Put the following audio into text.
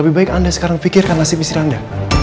lebih baik anda sekarang pikirkan nasib istri anda